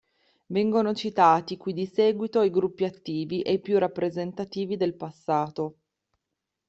Vengono citati qui di seguito i gruppi attivi e i più rappresentativi del passato.